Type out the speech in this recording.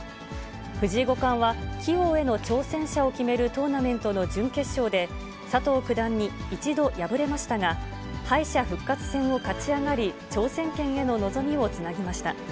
藤井五冠は棋王への挑戦者を決めるトーナメントの準決勝で、佐藤九段に一度敗れましたが、敗者復活戦を勝ち上がり、挑戦権への望みをつなぎました。